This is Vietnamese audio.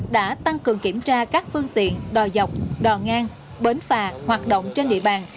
đã tăng cường kiểm tra các phương tiện đòi dọc đòi ngang bến phà hoạt động trên địa bàn